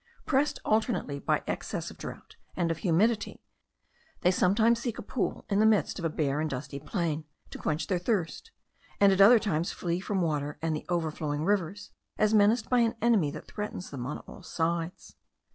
Pressed alternately by excess of drought and of humidity, they sometimes seek a pool in the midst of a bare and dusty plain, to quench their thirst; and at other times flee from water, and the overflowing rivers, as menaced by an enemy that threatens them on all sides.